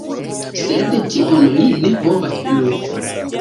Sed tion li ne povas plu.